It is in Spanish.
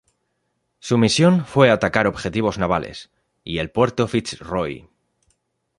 Su misión fue atacar objetivos navales y el puerto Fitz Roy.